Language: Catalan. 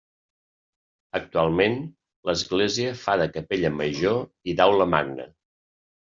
Actualment, l'església fa de Capella Major i d'Aula Magna.